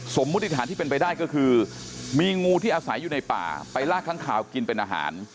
มุติฐานที่เป็นไปได้ก็คือมีงูที่อาศัยอยู่ในป่าไปลากค้างคาวกินเป็นอาหาร